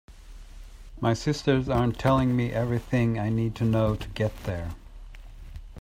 My sisters aren’t telling me everything I need to know to get there.